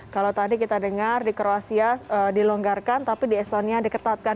kalau tadi kita dengar di kroasia dilonggarkan tapi di estonia diketatkan